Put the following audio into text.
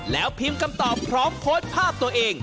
แล้วพิมพ์คำตอบพร้อมโพสต์ภาพตัวเอง